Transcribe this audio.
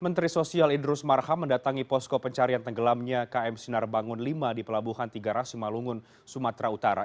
menteri sosial idrus marham mendatangi posko pencarian tenggelamnya km sinar bangun v di pelabuhan tiga rasimalungun sumatera utara